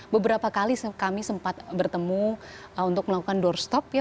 beberapa kali kami sempat bertemu untuk melakukan doorstop ya